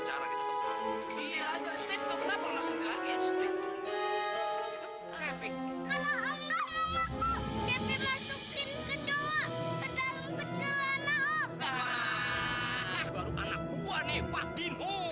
kalau masukin ke jawa ke dalam kecelanaan